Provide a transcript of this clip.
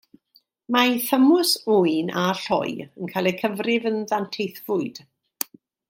Mae thymws ŵyn a lloi yn cael eu cyfrif yn ddanteithfwyd.